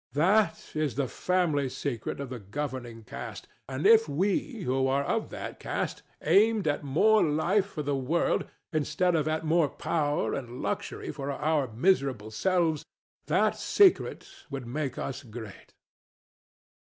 That is the family secret of the governing caste; and if we who are of that caste aimed at more Life for the world instead of at more power and luxury for our miserable selves, that secret would make us great.